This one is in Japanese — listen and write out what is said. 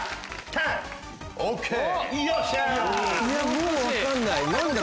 もう分かんない何だ？